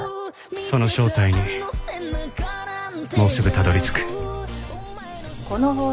その正体にもうすぐたどり着く。